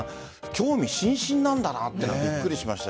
興味津々なんだなってびっくりしました。